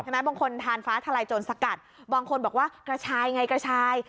บางคนทานฟ้าทลายโจรสกัดบางคนบอกว่ากระชายไงกระชาย